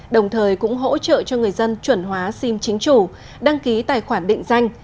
đồng thời cũng hỗ trợ cho người dân chuẩn hóa sim chính chủ đăng ký tài khoản định danh